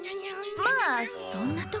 まあそんなとこかな。